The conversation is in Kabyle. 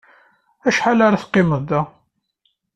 Acḥal ara teqqimeḍ da?